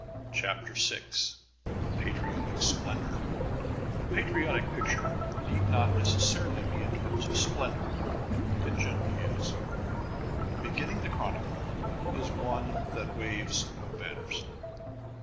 CHAPTER VI PATRIOTIC SPLENDOR The Patriotic Picture need not necessarily be in terms of splendor. It generally is. Beginning the chronicle is one that waves no banners.